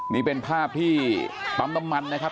นี่เป็นภาพที่ปั๊มน้ำมันนะครับ